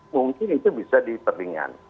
mungkin itu bisa diperlingan